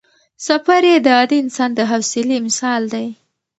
سفر یې د عادي انسان د حوصلې مثال دی.